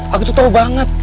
aku tuh tau banget